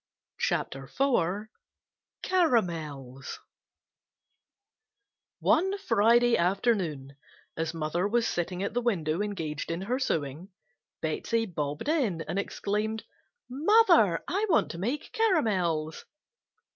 CHAPTER IV CARAMELS ONE Friday afternoon, as mother was sitting at the window engaged in her sewing, Betsey bobbed in and exclaimed: "Mother, I want to make caramels!"